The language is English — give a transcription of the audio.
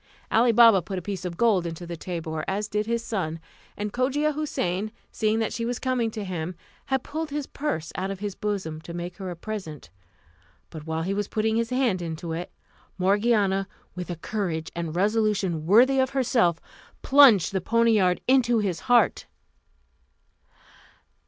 Ali Baba put a piece of gold into the tabour, as did also his son; and Cogia Houssain seeing that she was coming to him, had pulled his purse out of his bosom to make her a present; but while he was putting his hand into it, Morgiana, with a courage and resolution worthy of herself, plunged the poniard into his heart.